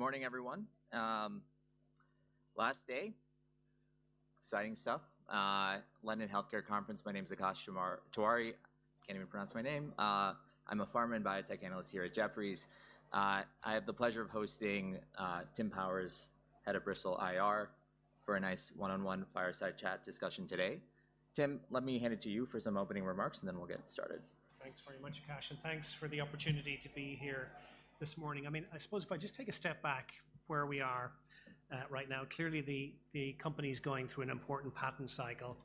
Good morning, everyone. Last day, exciting stuff. London Healthcare Conference. My name is Akash Tewari. Can't even pronounce my name. I'm a pharma and biotech analyst here at Jefferies. I have the pleasure of hosting Tim Power, head of Bristol IR, for a nice one-on-one fireside chat discussion today. Tim, let me hand it to you for some opening remarks, and then we'll get started. Thanks very much, Akash, and thanks for the opportunity to be here this morning. I mean, I suppose if I just take a step back where we are right now, clearly the company's going through an important patent cycle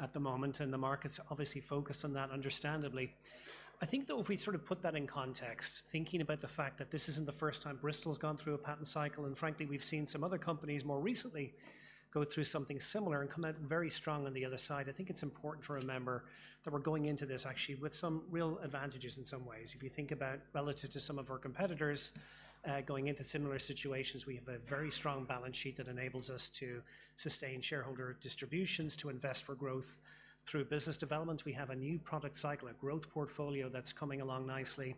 at the moment, and the market's obviously focused on that, understandably. I think, though, if we sort of put that in context, thinking about the fact that this isn't the first time Bristol has gone through a patent cycle, and frankly, we've seen some other companies more recently go through something similar and come out very strong on the other side. I think it's important to remember that we're going into this actually with some real advantages in some ways. If you think about relative to some of our competitors, going into similar situations, we have a very strong balance sheet that enables us to sustain shareholder distributions, to invest for growth through business development. We have a new product cycle, a growth portfolio that's coming along nicely,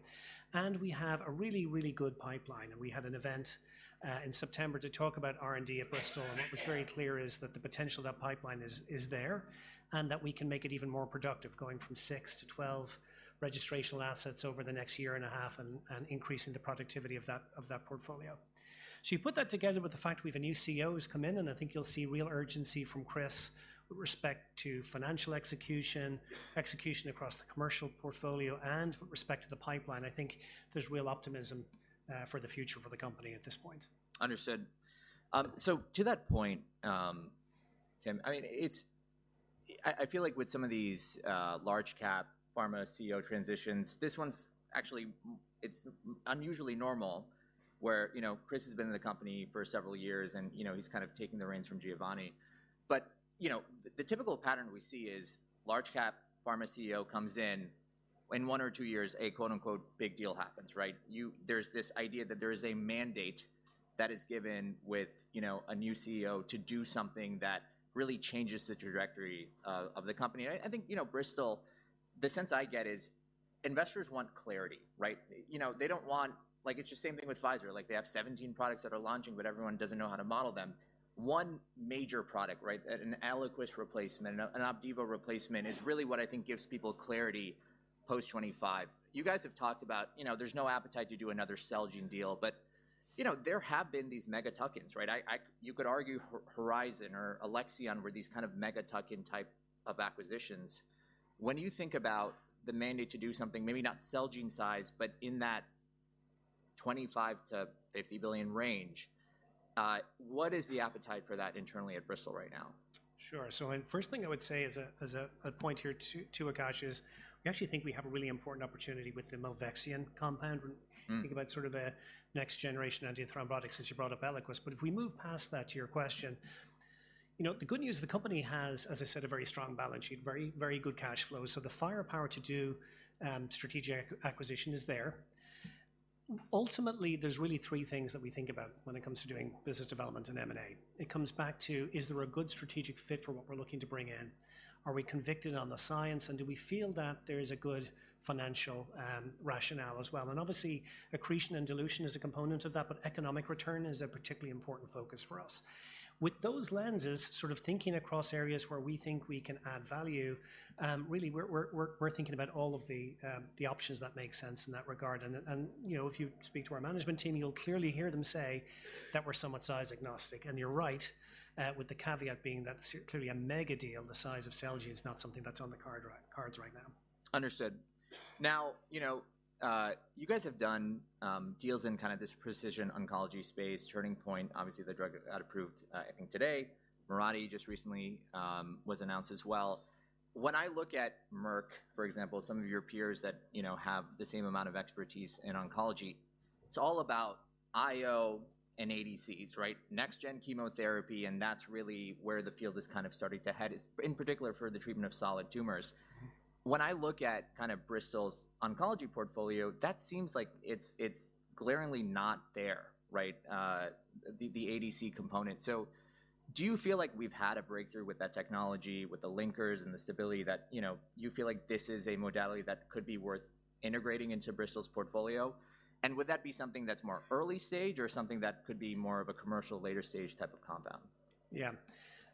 and we have a really, really good pipeline. We had an event in September to talk about R&D at Bristol, and it was very clear, is that the potential of that pipeline is, is there, and that we can make it even more productive, going from 6 to 12 registrational assets over the next year and a half and, and increasing the productivity of that, of that portfolio. So you put that together with the fact we have a new CEO who's come in, and I think you'll see real urgency from Chris with respect to financial execution, execution across the commercial portfolio and with respect to the pipeline. I think there's real optimism for the future for the company at this point. Understood. So to that point, Tim, I mean, it's. I feel like with some of these, large cap pharma CEO transitions, this one's actually, it's unusually normal where, you know, Chris has been in the company for several years and, you know, he's kind of taking the reins from Giovanni. But, you know, the typical pattern we see is large cap pharma CEO comes in, in one or two years, a quote-unquote, "Big deal" happens, right? There's this idea that there is a mandate that is given with, you know, a new CEO to do something that really changes the trajectory of the company. I think, you know, Bristol, the sense I get is investors want clarity, right? You know, they don't want... Like, it's the same thing with Pfizer. Like, they have 17 products that are launching, but everyone doesn't know how to model them. One major product, right, at an Eliquis replacement, an Opdivo replacement, is really what I think gives people clarity post-2025. You guys have talked about, you know, there's no appetite to do another Celgene deal, but, you know, there have been these mega tuck-ins, right? You could argue Horizon or Alexion were these kind of mega tuck-in type of acquisitions. When you think about the mandate to do something, maybe not Celgene size, but in that $25 billion-$50 billion range, what is the appetite for that internally at Bristol right now? Sure. First thing I would say as a point here to Akash is, we actually think we have a really important opportunity with the milvexian compound- Mm. When you think about sort of a next-generation antithrombotic, since you brought up Eliquis. But if we move past that to your question, you know, the good news, the company has, as I said, a very strong balance sheet, very, very good cash flow. So the firepower to do strategic acquisition is there. Ultimately, there's really three things that we think about when it comes to doing business development and M&A. It comes back to: Is there a good strategic fit for what we're looking to bring in? Are we convicted on the science? And do we feel that there is a good financial rationale as well? And obviously, accretion and dilution is a component of that, but economic return is a particularly important focus for us. With those lenses, sort of thinking across areas where we think we can add value, really, we're thinking about all of the options that make sense in that regard. And, you know, if you speak to our management team, you'll clearly hear them say that we're somewhat size-agnostic, and you're right, with the caveat being that clearly a mega deal the size of Celgene is not something that's on the cards right now. Understood. Now, you know, you guys have done deals in kind of this precision oncology space, Turning Point. Obviously, the drug got approved, I think today. Mirati just recently was announced as well. When I look at Merck, for example, some of your peers that, you know, have the same amount of expertise in oncology, it's all about IO and ADCs, right? Next-gen chemotherapy, and that's really where the field is kind of starting to head, is in particular for the treatment of solid tumors. Mm-hmm. When I look at kind of Bristol's oncology portfolio, that seems like it's, it's glaringly not there, right? The ADC component. So do you feel like we've had a breakthrough with that technology, with the linkers and the stability that, you know, you feel like this is a modality that could be worth integrating into Bristol's portfolio? And would that be something that's more early stage or something that could be more of a commercial, later-stage type of compound? Yeah.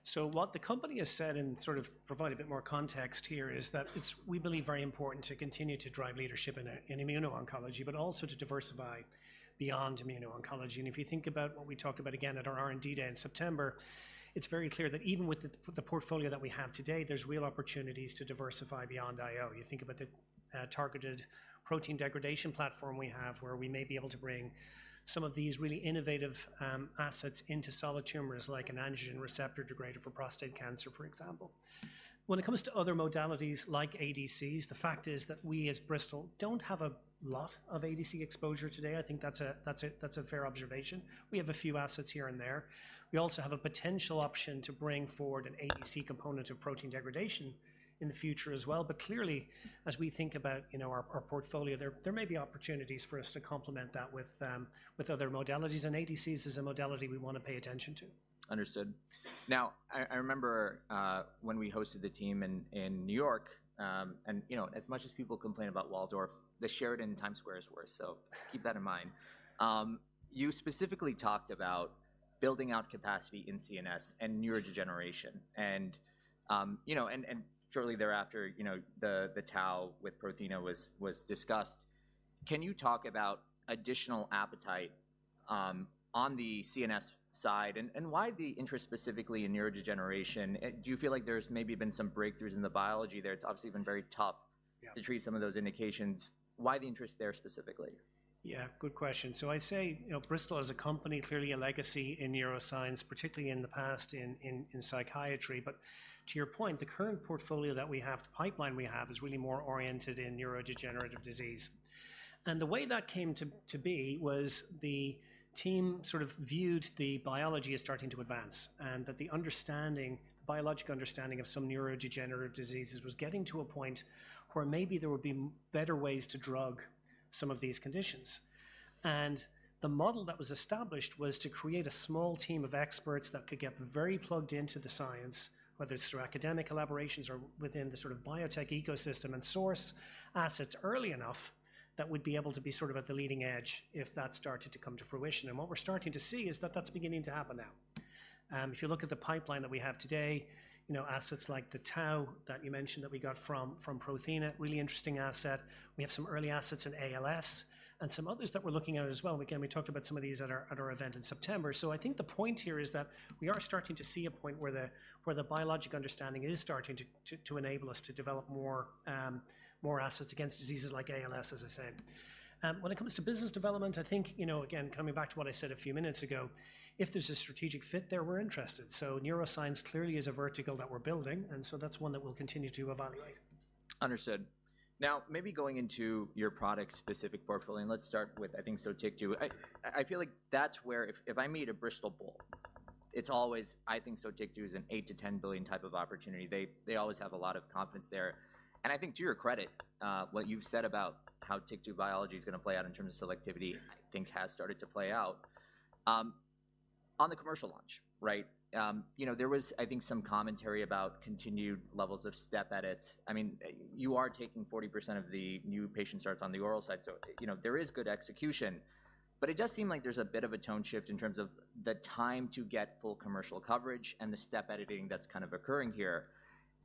So what the company has said, and sort of provide a bit more context here, is that it's, we believe, very important to continue to drive leadership in in immuno-oncology, but also to diversify beyond immuno-oncology. And if you think about what we talked about again at our R&D Day in September, it's very clear that even with the, the portfolio that we have today, there's real opportunities to diversify beyond IO. You think about the targeted protein degradation platform we have, where we may be able to bring some of these really innovative assets into solid tumors, like an androgen receptor degrader for prostate cancer, for example. When it comes to other modalities like ADCs, the fact is that we, as Bristol, don't have a lot of ADC exposure today. I think that's a, that's a, that's a fair observation. We have a few assets here and there. We also have a potential option to bring forward an ADC component of protein degradation in the future as well. But clearly, as we think about, you know, our portfolio, there may be opportunities for us to complement that with other modalities, and ADCs is a modality we want to pay attention to. Understood. Now, I remember when we hosted the team in New York, and, you know, as much as people complain about Waldorf, the Sheraton Times Square is worse, so, keep that in mind. You specifically talked about building out capacity in CNS and neurodegeneration, and, you know, and shortly thereafter, you know, the tau with Prothena was discussed. Can you talk about additional appetite on the CNS side, and why the interest specifically in neurodegeneration? And do you feel like there's maybe been some breakthroughs in the biology there? It's obviously been very tough- Yeah. to treat some of those indications. Why the interest there specifically? Yeah, good question. So I'd say, you know, Bristol as a company, clearly a legacy in neuroscience, particularly in the past, in psychiatry. But to your point, the current portfolio that we have, the pipeline we have, is really more oriented in neurodegenerative disease. And the way that came to be was the team sort of viewed the biology as starting to advance, and that the understanding, biological understanding of some neurodegenerative diseases was getting to a point where maybe there would be better ways to drug some of these conditions. The model that was established was to create a small team of experts that could get very plugged into the science, whether it's through academic collaborations or within the sort of biotech ecosystem, and source assets early enough that we'd be able to be sort of at the leading edge if that started to come to fruition. What we're starting to see is that that's beginning to happen now. If you look at the pipeline that we have today, you know, assets like the Tau that you mentioned that we got from Prothena, really interesting asset. We have some early assets in ALS and some others that we're looking at as well. Again, we talked about some of these at our event in September. So I think the point here is that we are starting to see a point where the biological understanding is starting to to enable us to develop more more assets against diseases like ALS, as I said. When it comes to business development, I think, you know, again, coming back to what I said a few minutes ago, if there's a strategic fit there, we're interested. So neuroscience clearly is a vertical that we're building, and so that's one that we'll continue to evaluate. Understood. Now, maybe going into your product-specific portfolio, and let's start with, I think, SOTYKTU. I feel like that's where if I meet a Bristol bull, it's always, I think SOTYKTU is an $8 billion-$10 billion type of opportunity. They always have a lot of confidence there. And I think to your credit, what you've said about how SOTYKTU biology is gonna play out in terms of selectivity, I think has started to play out. On the commercial launch, right, you know, there was, I think, some commentary about continued levels of step edits. I mean, you are taking 40% of the new patient starts on the oral side, so, you know, there is good execution, but it does seem like there's a bit of a tone shift in terms of the time to get full commercial coverage and the step editing that's kind of occurring here.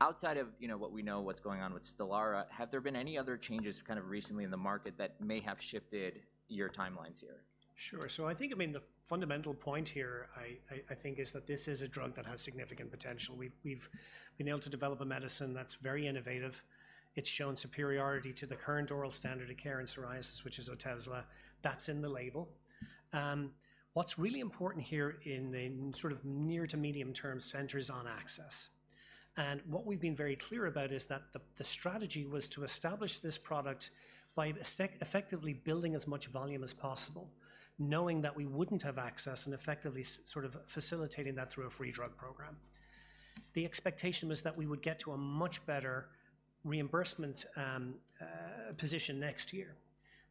Outside of, you know, what we know, what's going on with Stelara, have there been any other changes kind of recently in the market that may have shifted your timelines here? Sure. So I think, I mean, the fundamental point here, I think, is that this is a drug that has significant potential. We've been able to develop a medicine that's very innovative. It's shown superiority to the current oral standard of care in psoriasis, which is Otezla. That's in the label. What's really important here in the sort of near to medium-term centers on access, and what we've been very clear about is that the strategy was to establish this product by effectively building as much volume as possible, knowing that we wouldn't have access and effectively sort of facilitating that through a free drug program. The expectation was that we would get to a much better reimbursement position next year.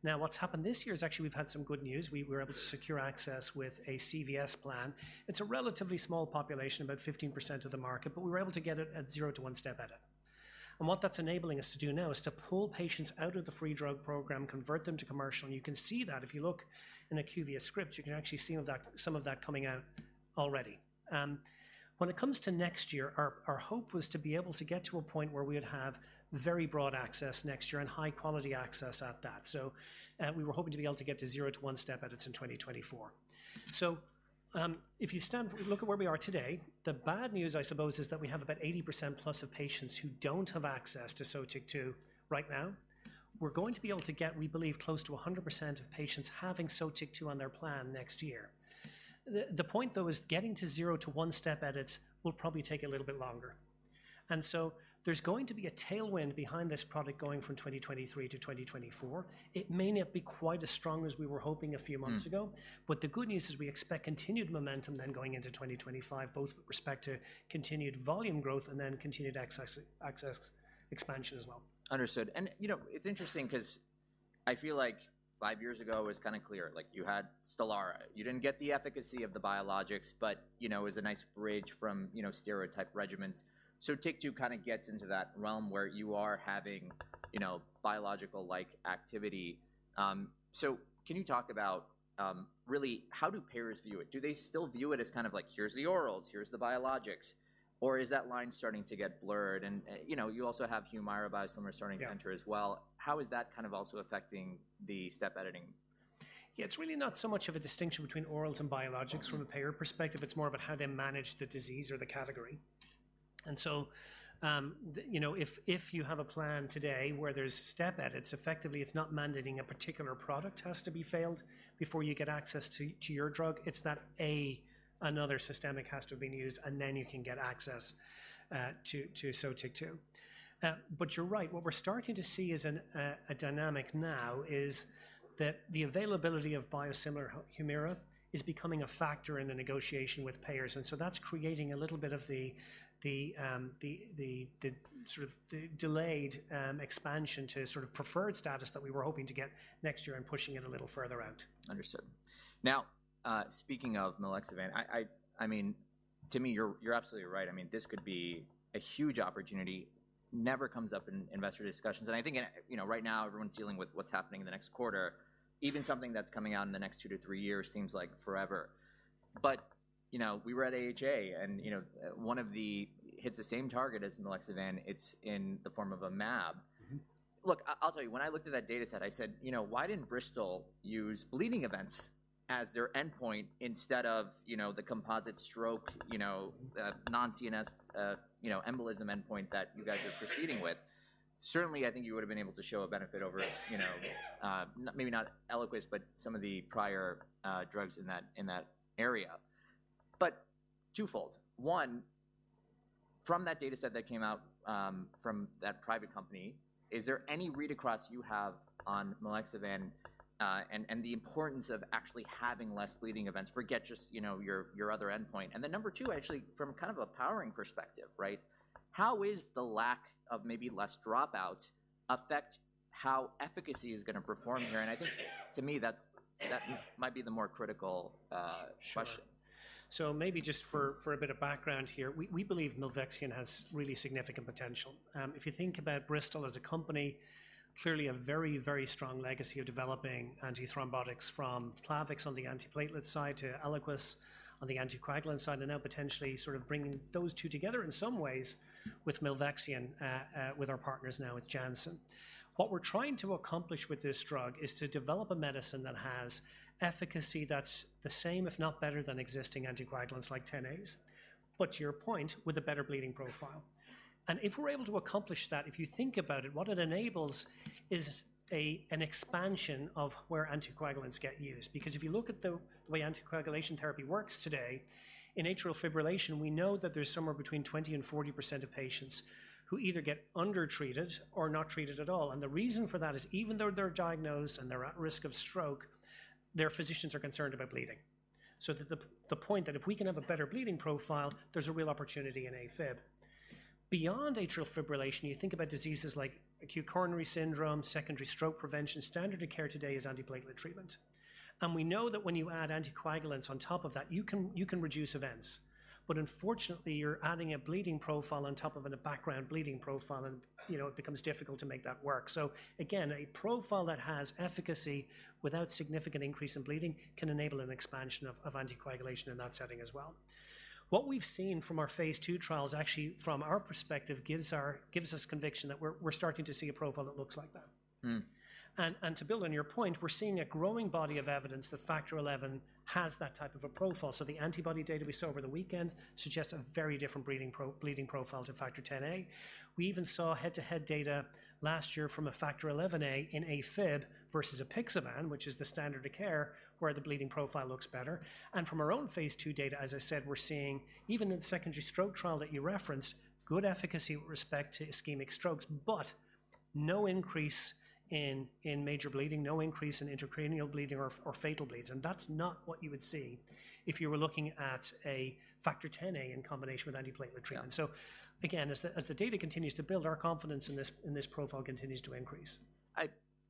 Now, what's happened this year is actually we've had some good news. We were able to secure access with a CVS plan. It's a relatively small population, about 15% of the market, but we were able to get it at 0-1 step edit. And what that's enabling us to do now is to pull patients out of the free drug program, convert them to commercial, and you can see that if you look in a CVS script, you can actually see that, some of that coming out already. When it comes to next year, our hope was to be able to get to a point where we would have very broad access next year and high-quality access at that. So, we were hoping to be able to get to 0-1 step edits in 2024. So, if you look at where we are today, the bad news, I suppose, is that we have about 80% plus of patients who don't have access to SOTYKTU right now. We're going to be able to get, we believe, close to 100% of patients having SOTYKTU on their plan next year. The point, though, is getting to zero to one step edits will probably take a little bit longer. And so there's going to be a tailwind behind this product going from 2023 to 2024. It may not be quite as strong as we were hoping a few months ago. Mm. The good news is we expect continued momentum then going into 2025, both with respect to continued volume growth and then continued access, access expansion as well. Understood. And, you know, it's interesting 'cause I feel like five years ago, it was kinda clear, like you had Stelara. You didn't get the efficacy of the biologics, but, you know, it was a nice bridge from, you know, steroid regimens. So SOTYKTU kinda gets into that realm where you are having, you know, biological-like activity. So can you talk about, really, how do payers view it? Do they still view it as kind of like: Here's the orals, here's the biologics, or is that line starting to get blurred? And, you know, you also have Humira biosimilars starting- Yeah to enter as well. How is that kind of also affecting the step editing? Yeah, it's really not so much of a distinction between orals and biologics- Mm-hmm... from a payer perspective. It's more about how they manage the disease or the category. And so, you know, if you have a plan today where there's step edits, effectively, it's not mandating a particular product has to be failed before you get access to your drug. It's that, a, another systemic has to have been used, and then you can get access to SOTYKTU. But you're right. What we're starting to see as a dynamic now is that the availability of biosimilar Humira is becoming a factor in the negotiation with payers, and so that's creating a little bit of the sort of the delayed expansion to sort of preferred status that we were hoping to get next year and pushing it a little further out. Understood. Now, speaking of milvexian, I mean, to me, you're absolutely right. I mean, this could be a huge opportunity, never comes up in investor discussions. And I think, you know, right now, everyone's dealing with what's happening in the next quarter. Even something that's coming out in the next 2-3 years seems like forever. But, you know, we were at AHA, and, you know, one of the hits the same target as milvexian, it's in the form of a mAb. Mm-hmm. Look, I, I'll tell you, when I looked at that data set, I said, "You know, why didn't Bristol use bleeding events as their endpoint instead of, you know, the composite stroke, you know, non-CNS, you know, embolism endpoint that you guys are proceeding with?" Certainly, I think you would've been able to show a benefit over, you know, maybe not Eliquis, but some of the prior, drugs in that, in that area. But twofold: one, from that data set that came out, from that private company, is there any read-across you have on milvexian, and, and the importance of actually having less bleeding events? Forget just, you know, your other endpoint. And then number two, actually, from kind of a powering perspective, right? How is the lack of maybe less dropouts affect how efficacy is gonna perform here? I think to me, that might be the more critical, Sure. -question. So maybe just for a bit of background here, we believe milvexian has really significant potential. If you think about Bristol as a company, clearly a very, very strong legacy of developing antithrombotics, from Plavix on the antiplatelet side to Eliquis on the anticoagulant side, and now potentially sort of bringing those two together in some ways with milvexian, with our partners now at Janssen. What we're trying to accomplish with this compound is to develop a medicine that has efficacy that's the same, if not better, than existing anticoagulants like Xa's, but to your point, with a better bleeding profile. If we're able to accomplish that, if you think about it, what it enables is an expansion of where anticoagulants get used. Because if you look at the way anticoagulation therapy works today, in atrial fibrillation, we know that there's somewhere between 20% and 40% of patients who either get undertreated or not treated at all, and the reason for that is, even though they're diagnosed and they're at risk of stroke, their physicians are concerned about bleeding. So the point that if we can have a better bleeding profile, there's a real opportunity in AFib. Beyond atrial fibrillation, you think about diseases like Acute Coronary Syndrome, secondary stroke prevention, standard of care today is antiplatelet treatment. And we know that when you add anticoagulants on top of that, you can reduce events, but unfortunately, you're adding a bleeding profile on top of a background bleeding profile, and, you know, it becomes difficult to make that work. So again, a profile that has efficacy without significant increase in bleeding can enable an expansion of anticoagulation in that setting as well. What we've seen from our phase II trials, actually, from our perspective, gives us conviction that we're starting to see a profile that looks like that. Mm. To build on your point, we're seeing a growing body of evidence that factor XI has that type of a profile. So the antibody data we saw over the weekend suggests a very different bleeding profile to factor Xa. We even saw head-to-head data last year from a factor XIa in a Fib versus apixaban, which is the standard of care, where the bleeding profile looks better. And from our own phase II data, as I said, we're seeing, even in the secondary stroke trial that you referenced, good efficacy with respect to ischemic strokes, but no increase in major bleeding, no increase in intracranial bleeding or fatal bleeds, and that's not what you would see if you were looking at a factor Xa in combination with antiplatelet treatment. Yeah. So again, as the data continues to build, our confidence in this profile continues to increase.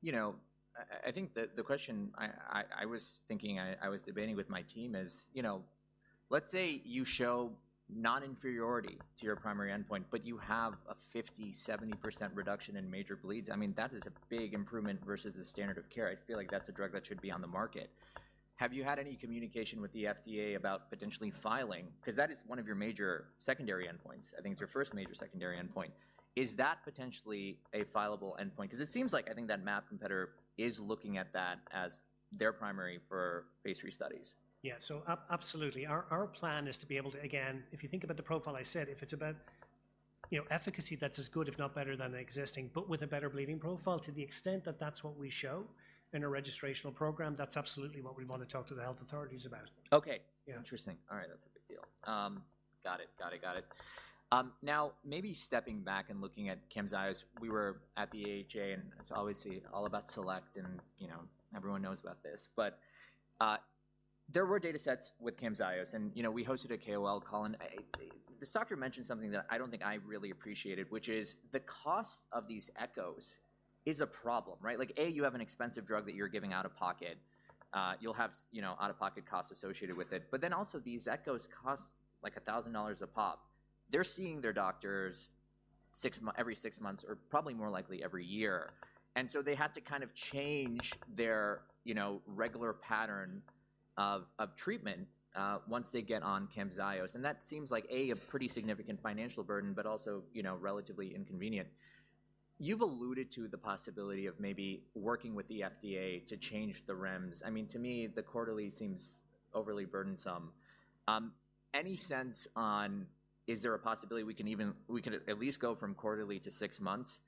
You know, I think the question I was thinking, I was debating with my team is, you know, let's say you show non-inferiority to your primary endpoint, but you have a 50%-70% reduction in major bleeds, I mean, that is a big improvement versus the standard of care. I feel like that's a drug that should be on the market. Have you had any communication with the FDA about potentially filing? 'Cause that is one of your major secondary endpoints. I think it's your first major secondary endpoint. Is that potentially a fileable endpoint? 'Cause it seems like, I think, that mAb competitor is looking at that as their primary for phase III studies. Yeah. So absolutely. Our plan is to be able to, again, if you think about the profile I said, if it's about, you know, efficacy, that's as good, if not better, than the existing, but with a better bleeding profile. To the extent that that's what we show in a registrational program, that's absolutely what we want to talk to the health authorities about. Okay. Yeah. Interesting. All right, that's a big deal. Got it. Got it. Got it. Now, maybe stepping back and looking at Camzyos, we were at the AHA, and it's obviously all about select, and, you know, everyone knows about this, but, there were data sets with Camzyos, and, you know, we hosted a KOL call, and, the doctor mentioned something that I don't think I really appreciated, which is the cost of these Echos is a problem, right? Like, A, you have an expensive drug that you're giving out of pocket. You'll have, you know, out-of-pocket costs associated with it. But then also, these Echos cost, like, $1,000 a pop. They're seeing their doctors every six months, or probably more likely every year, and so they had to kind of change their, you know, regular pattern of treatment once they get on Camzyos, and that seems like a pretty significant financial burden, but also, you know, relatively inconvenient. You've alluded to the possibility of maybe working with the FDA to change the REMS. I mean, to me, the quarterly seems overly burdensome. Any sense on, is there a possibility we could at least go from quarterly to six months,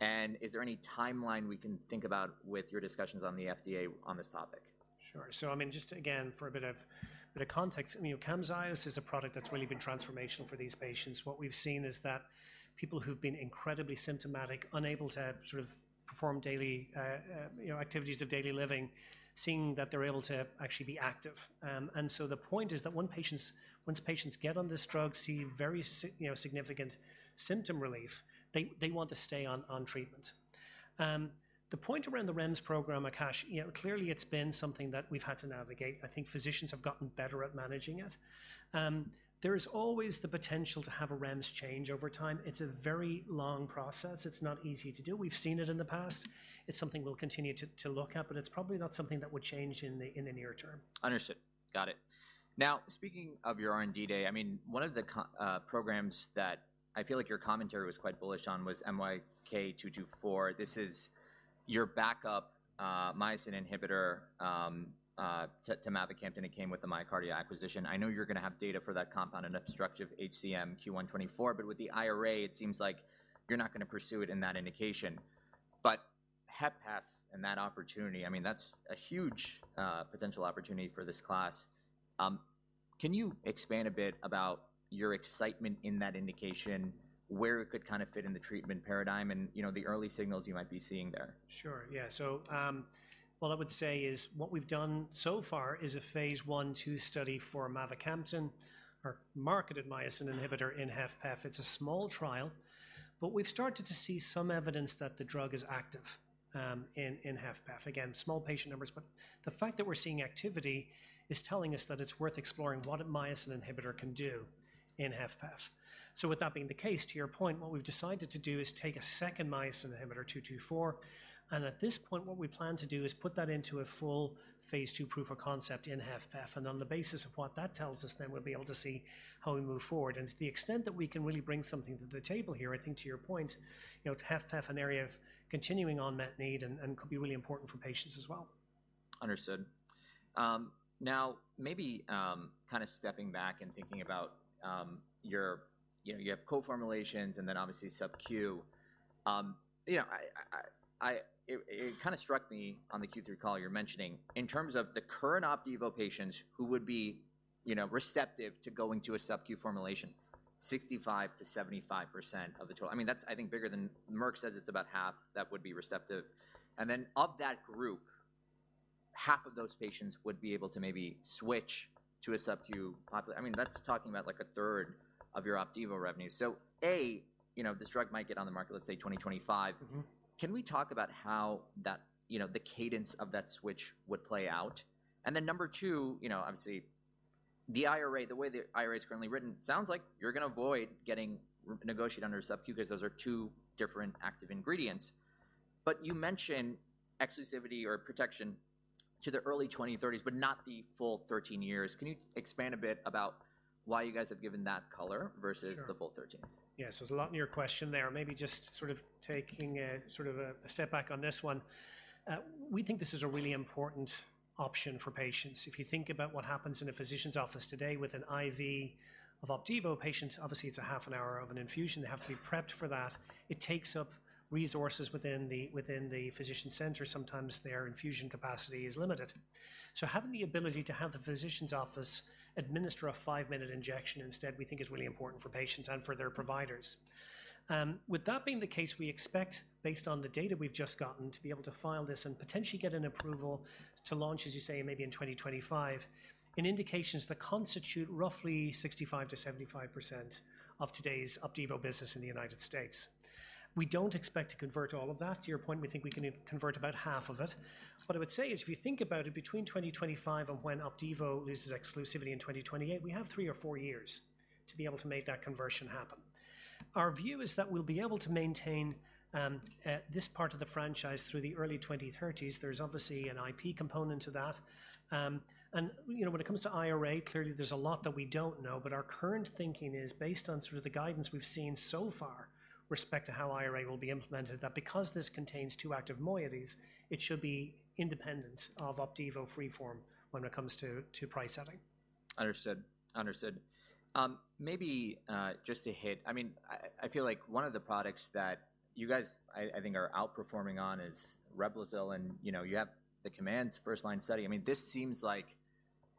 and is there any timeline we can think about with your discussions on the FDA on this topic? Sure. So I mean, just again, for a bit of context, I mean, Camzyos is a product that's really been transformational for these patients. What we've seen is that people who've been incredibly symptomatic, unable to sort of perform daily, you know, activities of daily living, seeing that they're able to actually be active. And so the point is that when patients—once patients get on this drug, see very you know, significant symptom relief, they, they want to stay on, on treatment. The point around the REMS program, Akash, you know, clearly it's been something that we've had to navigate. I think physicians have gotten better at managing it. There is always the potential to have a REMS change over time. It's a very long process. It's not easy to do. We've seen it in the past. It's something we'll continue to look at, but it's probably not something that would change in the near term. Understood. Got it. Now, speaking of your R&D Day, I mean, one of the programs that I feel like your commentary was quite bullish on was MYK-224. This is your backup myosin inhibitor to, to mavacamten that came with the MyoKardia acquisition. I know you're gonna have data for that compound in obstructive HCM Q1 2024, but with the IRA, it seems like you're not gonna pursue it in that indication. But HFpEF and that opportunity, I mean, that's a huge potential opportunity for this class. Can you expand a bit about your excitement in that indication, where it could kind of fit in the treatment paradigm, and, you know, the early signals you might be seeing there? Sure. Yeah. So, what I would say is what we've done so far is a phase I and II study for mavacamten or marketed myosin inhibitor in HFpEF. It's a small trial, but we've started to see some evidence that the drug is active in HFpEF. Again, small patient numbers, but the fact that we're seeing activity is telling us that it's worth exploring what a myosin inhibitor can do in HFpEF. So with that being the case, to your point, what we've decided to do is take a second myosin inhibitor, 224, and at this point, what we plan to do is put that into a full phase II proof of concept in HFpEF. And on the basis of what that tells us, then we'll be able to see how we move forward. And to the extent that we can really bring something to the table here, I think to your point, you know, to HFpEF, an area of continuing unmet need and could be really important for patients as well. Understood. Now, maybe kind of stepping back and thinking about your-- you know, you have co-formulations and then obviously subcu. You know, it kind of struck me on the Q3 call you're mentioning, in terms of the current Opdivo patients who would be, you know, receptive to going to a subcu formulation, 65%-75% of the total. I mean, that's, I think, bigger than-- Merck says it's about half that would be receptive. And then of that group, half of those patients would be able to maybe switch to a subcu population-- I mean, that's talking about like a third of your Opdivo revenue. So, A, you know, this drug might get on the market, let's say, 2025. Mm-hmm. Can we talk about how that, you know, the cadence of that switch would play out? And then number two, you know, obviously, the IRA, the way the IRA is currently written, sounds like you're gonna avoid getting re-negotiate under subcu because those are two different active ingredients. But you mentioned exclusivity or protection to the early 2030s, but not the full 13 years. Can you expand a bit about why you guys have given that color- Sure. -versus the full 13? Yeah. So there's a lot in your question there. Maybe just sort of taking a step back on this one. We think this is a really important option for patients. If you think about what happens in a physician's office today with an IV of Opdivo, patients, obviously, it's a half an hour of an infusion. They have to be prepped for that. It takes up resources within the physician center. Sometimes their infusion capacity is limited. So having the ability to have the physician's office administer a five-minute injection instead, we think is really important for patients and for their providers. With that being the case, we expect, based on the data we've just gotten, to be able to file this and potentially get an approval to launch, as you say, maybe in 2025, in indications that constitute roughly 65%-75% of today's Opdivo business in the United States. We don't expect to convert all of that. To your point, we think we can convert about half of it. What I would say is, if you think about it, between 2025 and when Opdivo loses exclusivity in 2028, we have three or four years to be able to make that conversion happen. Our view is that we'll be able to maintain this part of the franchise through the early 2030s. There's obviously an IP component to that. you know, when it comes to IRA, clearly, there's a lot that we don't know, but our current thinking is based on sort of the guidance we've seen so far with respect to how IRA will be implemented, that because this contains two active moieties, it should be independent of Opdivo free form when it comes to price setting. Understood. Understood. Maybe just to hit... I mean, I feel like one of the products that you guys, I think are outperforming on is Reblozyl, and, you know, you have the COMMANDS first-line study. I mean, this seems like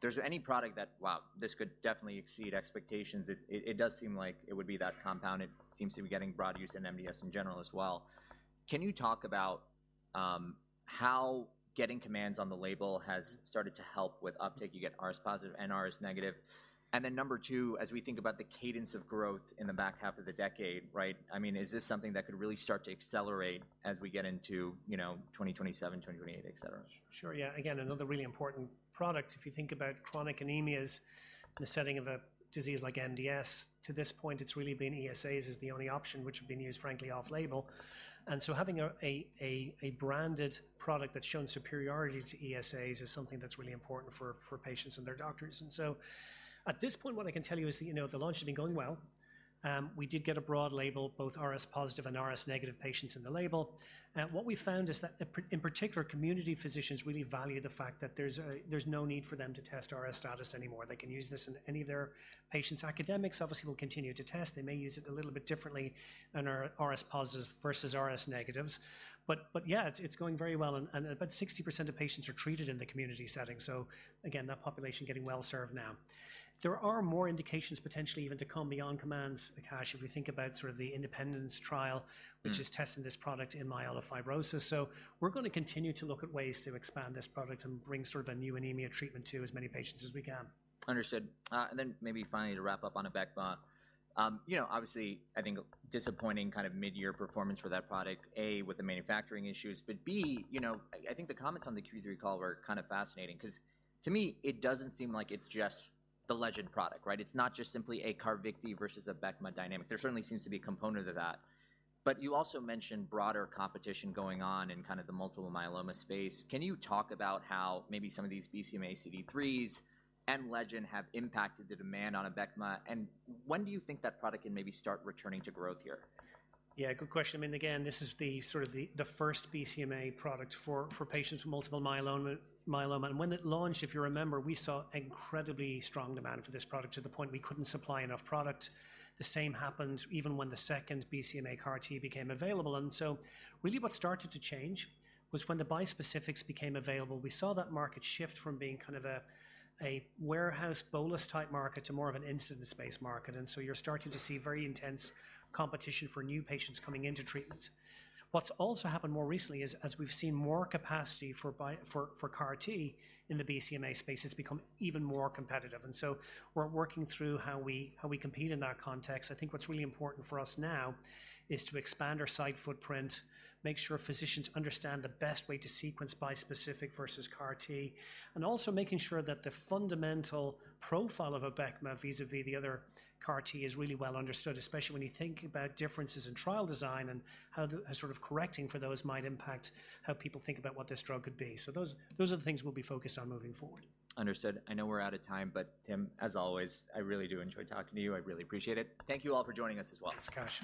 there's any product that, wow, this could definitely exceed expectations. It does seem like it would be that compound. It seems to be getting broad use in MDS in general as well. Can you talk about how getting COMMANDS on the label has started to help with uptake? You get RS-positive, NS-negative. And then number two, as we think about the cadence of growth in the back half of the decade, right? I mean, is this something that could really start to accelerate as we get into, you know, 2027, 2028, etcetera? Sure. Yeah. Again, another really important product. If you think about chronic anemias in the setting of a disease like MDS, to this point, it's really been ESAs is the only option which have been used, frankly, off-label. And so having a branded product that's shown superiority to ESAs is something that's really important for patients and their doctors. And so at this point, what I can tell you is that, you know, the launch has been going well. We did get a broad label, both RS positive and RS negative patients in the label. What we found is that in particular, community physicians really value the fact that there's no need for them to test RS status anymore. They can use this in any of their patients. Academics, obviously, will continue to test. They may use it a little bit differently than our RS positive versus RS negatives. But yeah, it's going very well, and about 60% of patients are treated in the community setting, so again, that population getting well-served now. There are more indications, potentially even to come beyond COMMANDS, Akash, if we think about sort of the INDEPENDENCE trial- Mm-hmm. which is testing this product in myelofibrosis. So we're gonna continue to look at ways to expand this product and bring sort of a new anemia treatment to as many patients as we can. Understood. And then maybe finally, to wrap up on Abecma, you know, obviously, I think a disappointing kind of midyear performance for that product, A, with the manufacturing issues, but B, you know, I think the comments on the Q3 call were kind of fascinating, 'cause to me, it doesn't seem like it's just the Legend product, right? It's not just simply a Carvykti versus a Abecma dynamic. There certainly seems to be a component of that. But you also mentioned broader competition going on in kind of the multiple myeloma space. Can you talk about how maybe some of these BCMA CD3s and Legend have impacted the demand on Abecma, and when do you think that product can maybe start returning to growth here? Yeah, good question. I mean, again, this is sort of the first BCMA product for patients with multiple myeloma. And when it launched, if you remember, we saw incredibly strong demand for this product to the point we couldn't supply enough product. The same happened even when the second BCMA CAR T became available. And so really what started to change was when the bispecifics became available, we saw that market shift from being kind of a warehouse bolus-type market to more of an instance-based market. And so you're starting to see very intense competition for new patients coming into treatment. What's also happened more recently is, as we've seen more capacity for CAR T in the BCMA space, it's become even more competitive. And so we're working through how we compete in that context. I think what's really important for us now is to expand our site footprint, make sure physicians understand the best way to sequence bispecific versus CAR T, and also making sure that the fundamental profile of Abecma, vis-a-vis the other CAR T, is really well understood, especially when you think about differences in trial design and how sort of correcting for those might impact how people think about what this drug could be. So those, those are the things we'll be focused on moving forward. Understood. I know we're out of time, but Tim, as always, I really do enjoy talking to you. I really appreciate it. Thank you all for joining us as well. Thanks, Akash.